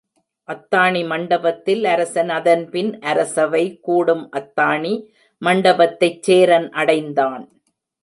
அத்தாணி மண்டபத்தில் அரசன் அதன்பின் அரசவை கூடும் அத்தாணி மண்டபத்தைச் சேரன் அடைந்தான்.